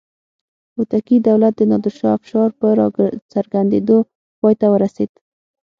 هوتکي دولت د نادر شاه افشار په راڅرګندېدو پای ته ورسېد.